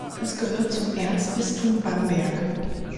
Es gehört zum Erzbistum Bamberg.